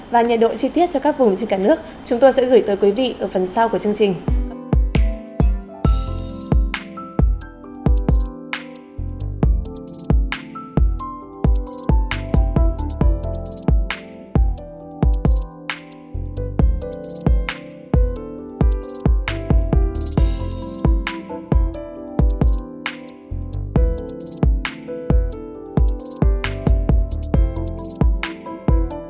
và nhiệt độ chi tiết cho các vùng trên cả nước chúng tôi sẽ gửi tới quý vị ở phần sau của chương trình